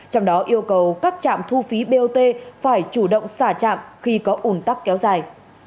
trong đó yêu cầu các trạm thu phí bot phải chủ động xả trạm khi có ủn tắc kéo dài